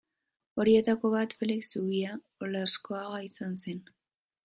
Horietako bat Felix Zubia Olaskoaga izan zen.